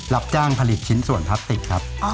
รับจ้างผลิตชิ้นส่วนพลาสติกครับ